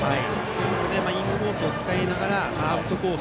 ですのでインコースを使いながらアウトコース